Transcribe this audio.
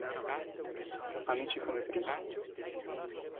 Amici come prima